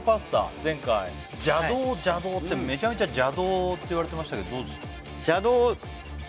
前回邪道邪道ってめちゃめちゃ邪道って言われてましたけどどうですか？